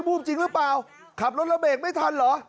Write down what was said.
พูดจริงหรือเปล่าขับรถแล้วเบรกไม่ทันเหรอ